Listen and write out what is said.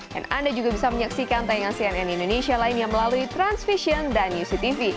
dan anda juga bisa menyaksikan tayangan cnn indonesia lainnya melalui transvision dan yusi tv